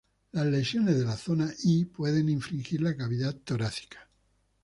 Las lesiones en la Zona I pueden infringir la cavidad torácica.